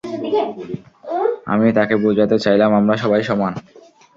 আমি তাকে বুঝাতে চাইলাম আমরা সবাই সমান।